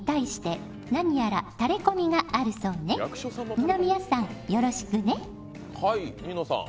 「二宮さん、よろしくね」。